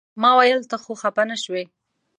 ما ویل ته خو خپه نه شوې.